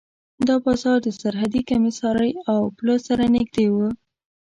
دا بازار د سرحدي کمېسارۍ او پله سره نږدې و.